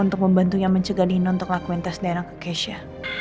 untuk membantunya mencegah nino untuk ngakuin tes dna ke keisha